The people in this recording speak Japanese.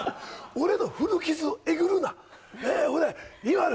俺の古傷をえぐるなえほれ